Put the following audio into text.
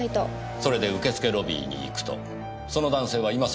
それで受付ロビーに行くとその男性はいませんでした。